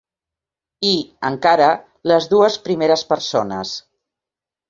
I, encara, les dues primeres persones.